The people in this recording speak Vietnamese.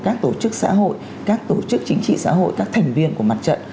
các tổ chức xã hội các tổ chức chính trị xã hội các thành viên của mặt trận